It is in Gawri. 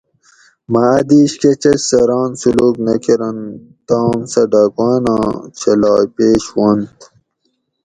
مہ اۤ دیش کہ چچ سہ ران سلوک نہ کرنت تام سہ ڈاکواناں چھلائ پیش ہوانت